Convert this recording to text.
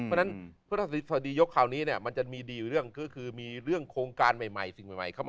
เพราะฉะนั้นพฤศฎีสดียกครั้วนี้มันจะมีเรื่องโครงการใหม่เข้ามาให้ทำ